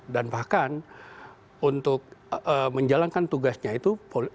dan bahkan untuk menjalankan tugasnya itu